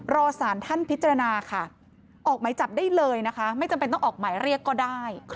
รอสารท่านพิจารณาค่ะออกหมายจับได้เลยนะคะไม่จำเป็นต้องออกหมายเรียกก็ได้